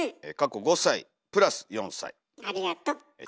ありがと。